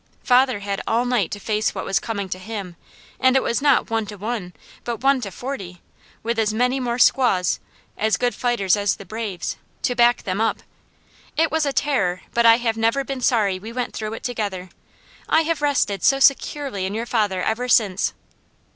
Father had all night to face what was coming to him, and it was not one to one, but one to forty, with as many more squaws, as good fighters as the braves, to back them. It was a terror but I never have been sorry we went through it together. I have rested so securely in your father ever since."